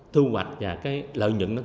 thu hoạch và lợi nhuận